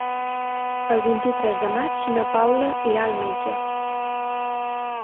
El vint-i-tres de maig na Paula irà al metge.